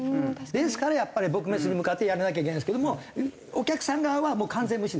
ですから撲滅に向かってやらなきゃいけないんですけどもお客さん側はもう完全無視ですね。